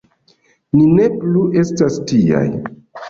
Ni ne plu estas tiaj!